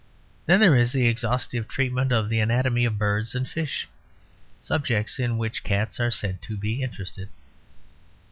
Then there is the exhaustive treatment of the anatomy of birds and fish; subjects in which cats are said to be interested.